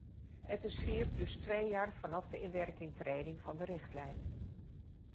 Het is vier plus twee jaar vanaf de inwerkingtreding van de richtlijn.